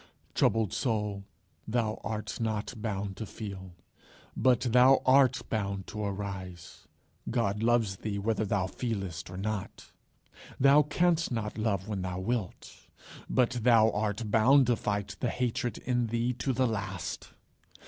Troubled soul, thou art not bound to feel, but thou art bound to arise. God loves thee whether thou feelest or not. Thou canst not love when thou wilt, but thou art bound to fight the hatred in thee to the last.